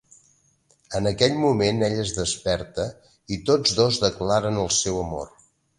En aquell moment ell es desperta i tots dos declaren el seu amor.